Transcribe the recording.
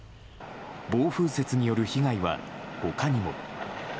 暴風雪による被害は他にも。